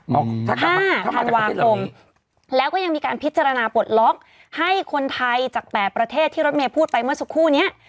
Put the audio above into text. ๕ธันวาคมแล้วก็ยังมีการพิจารณาปลดล็อกให้คนไทยจาก๘ประเทศที่รถเมย์พูดไปเมื่อสักครู่นี้